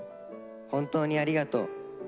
本当にありがとう。